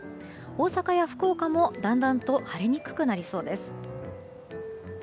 大阪や福岡も、だんだんと晴れにくくなりそうです。